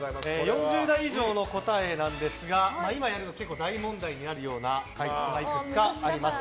４０代以上の答えなんですが今やるのは大問題になるような回答がいくつかあります。